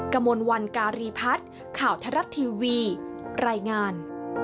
หากคนเราได้รับโอกาสที่สามารถพัฒนาชุมชนเพิ่งพาตัวเองได้อย่างมีประสิทธิภาพ